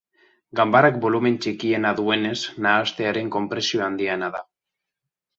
Ganbarak bolumen txikiena duenez, nahastearen konpresioa handiena da.